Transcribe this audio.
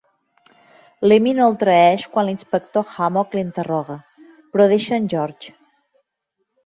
L'Emmy no el traeix quan l'inspector Hammock l'interroga, però deixa en Georges.